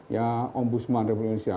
ya ombudsman republik indonesia